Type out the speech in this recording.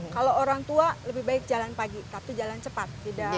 kalau orang tua lebih baik jalan pagi tapi jalan cepat